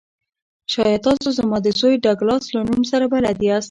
شاید تاسو زما د زوی ډګلاس له نوم سره بلد یاست